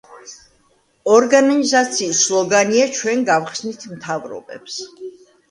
ორგანიზაციის სლოგანია „ჩვენ გავხსნით მთავრობებს“.